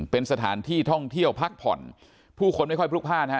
เป็นสถานที่ท่องเที่ยวพักผ่อนผู้คนไม่ค่อยพลุกพลาดนะฮะ